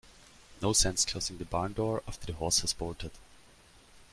No sense closing the barn door after the horse has bolted.